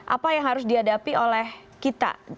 apa yang harus dihadapi oleh kita